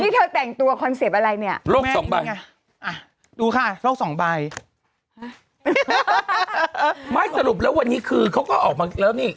นี่เธอแต่งตัวคอนเซ็ปต์อะไรเนี่ยโรคสองใบไงอ่ะดูค่ะโลกสองใบไม่สรุปแล้ววันนี้คือเขาก็ออกมาแล้วนี่